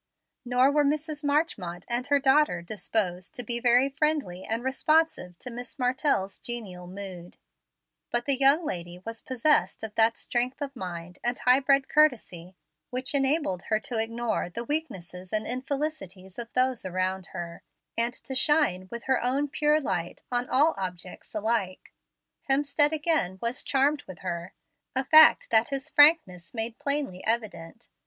Nor were Mrs. Marchmont and her daughter disposed to be very friendly and responsive to Miss Martell's genial mood; but the young lady was possessed of that strength of mind and high bred courtesy which enabled her to ignore the weaknesses and infelicities of those around her, and to shine with her own pure light on all objects alike. Hemstead again was charmed with her, a fact that his frankness made plainly evident.